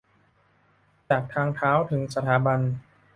จากทางเท้าถึงสถาบัน